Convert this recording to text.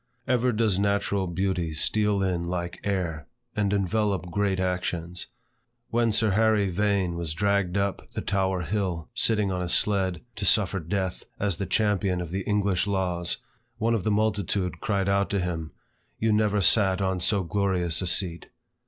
Ever does natural beauty steal in like air, and envelope great actions. When Sir Harry Vane was dragged up the Tower hill, sitting on a sled, to suffer death, as the champion of the English laws, one of the multitude cried out to him, "You never sate on so glorious a seat."